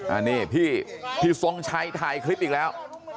อันนี้พี่พี่ส่วนชัยถ่ายคลิปอีกแล้ว